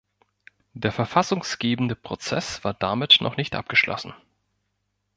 Der verfassungsgebende Prozess war damit noch nicht abgeschlossen.